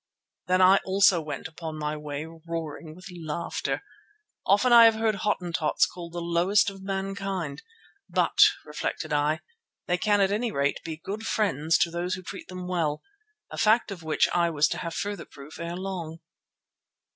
Then I also went upon my way roaring with laughter. Often I have heard Hottentots called the lowest of mankind, but, reflected I, they can at any rate be good friends to those who treat them well—a fact of which I was to have further proof ere long.